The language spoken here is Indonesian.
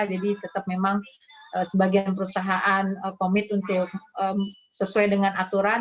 jadi tetap memang sebagian perusahaan komit untuk sesuai dengan aturan